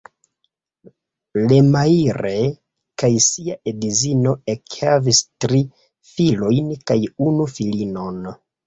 Lemaire kaj sia edzino ekhavis tri filojn kaj unu filinon.